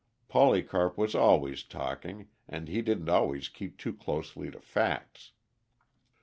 Polycarp was always talking, and he didn't always keep too closely to facts.